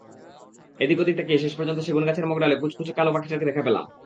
এদিক-ওদিক তাকিয়ে শেষ পর্যন্ত সেগুনগাছের মগডালে কুচকুচে কালো পাখিটার দেখা পেলাম।